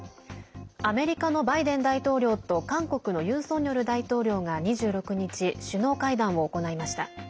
アメリカのバイデン大統領と韓国のユン・ソンニョル大統領が２６日、首脳会談を行いました。